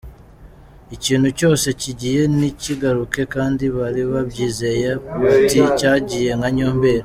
Ikintu cyose kigiye ntikigaruke kandi bari babyizeye, bati "Cyagiye nka Nyombeli.